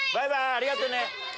ありがとね！